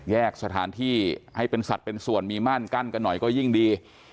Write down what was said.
สถานที่ให้เป็นสัตว์เป็นส่วนมีม่านกั้นกันหน่อยก็ยิ่งดี